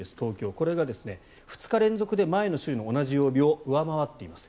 これが２日連続で前の週の同じ曜日を上回っています。